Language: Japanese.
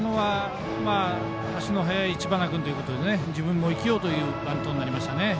足の速い知花君ということで自分も生きようというバントになりましたね。